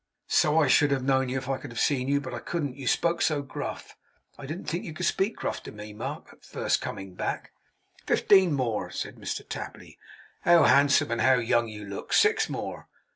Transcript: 'So I should have known you, if I could have seen you; but I couldn't, and you spoke so gruff. I didn't think you could speak gruff to me, Mark, at first coming back.' 'Fifteen more!' said Mr Tapley. 'How handsome and how young you look! Six more!